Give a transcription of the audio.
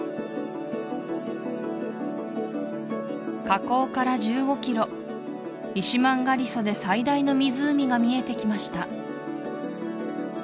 河口から１５ｋｍイシマンガリソで最大の湖が見えてきました